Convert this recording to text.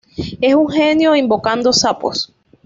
Es un genio invocando sapos.